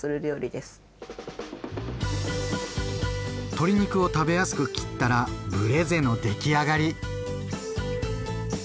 鶏肉を食べやすく切ったら「ブレゼ」の出来上がり。